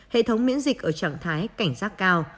hệ thống miễn dịch ở trạng thái cảnh giác cao